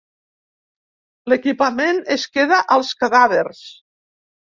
L'equipament es queda als cadàvers.